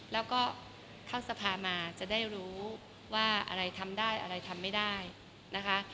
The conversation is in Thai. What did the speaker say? แล้วก็เข้าสภามาจะได้รู้ว่าอะไรทำได้อะไรทำไม่ได้นะคะ